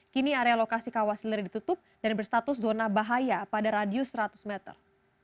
kini area lokasi kawah sileri ditutup dan berstatus zona bahaya pada radius seratus meter